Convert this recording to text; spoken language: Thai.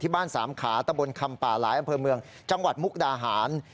บ้านสามขาตะบนคำป่าหลายอำเภอเมืองจังหวัดมุกดาหาร